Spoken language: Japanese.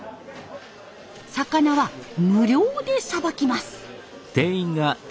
魚は無料でさばきます。